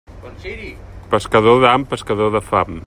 Pescador d'ham, pescador de fam.